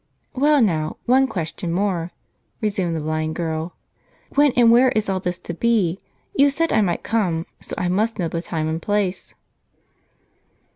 " Well now^, one question more," resumed the blind girl. "When and where is all this to be? You said I might come, so I must know the time and place."